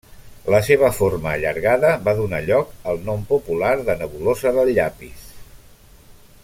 La seva forma allargada va donar lloc al nom popular de nebulosa del llapis.